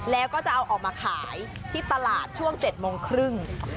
แล้วก็จะเอาออกมาขายที่ตลาดช่วง๗โมงครึ่ง